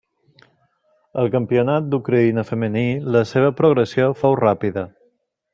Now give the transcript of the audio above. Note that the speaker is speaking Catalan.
Al campionat d'Ucraïna femení, la seva progressió fou ràpida.